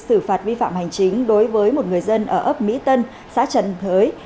xử phạt vi phạm hành chính đối với một người dân ở ấp mỹ tân xã trần thới